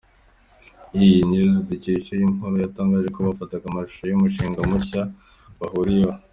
E! News dukesha iyi nkuru yatangaje ko ‘bafataga amashusho y’umushinga mushya bahuriyeho’.